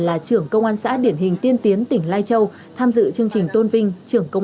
là trưởng công an xã điển hình tiên tiến tỉnh lai châu tham dự chương trình tôn vinh trưởng công